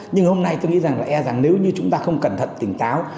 nhưng hôm nay tôi nghĩ rằng là e rằng nếu như chúng ta không cẩn thận tỉnh táo